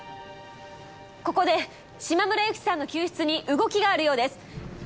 ここで島村由希さんの救出に動きがあるようです。